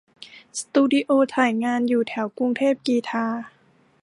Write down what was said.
สตูดิโอถ่ายงานอยู่แถวกรุงเทพกรีฑา